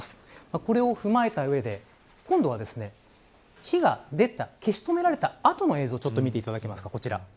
これを踏まえた上で今度は火が出た消し止められた後の映像を見ていただけますか。